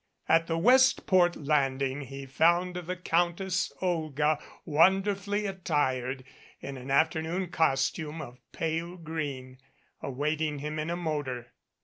At the Westport landing he found the Countess Olga, wonderfully attired in an afternoon costume of pale green, awaiting him in a motor.